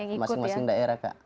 iya kak dari masing masing daerah kak